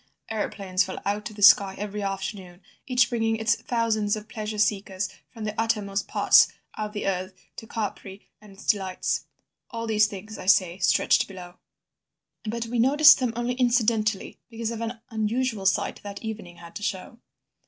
Aeroplanes fell out of the sky every afternoon, each bringing its thousands of pleasure seekers from the uttermost parts of the earth to Capri and its delights. All these things, I say, stretched below. "But we noticed them only incidentally because of an unusual sight that evening had to show.